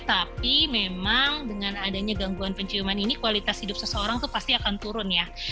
tapi memang dengan adanya gangguan penciuman ini kualitas hidup seseorang itu pasti akan turun ya